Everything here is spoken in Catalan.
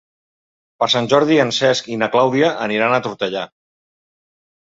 Per Sant Jordi en Cesc i na Clàudia aniran a Tortellà.